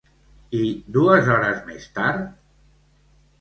I dues hores més tard?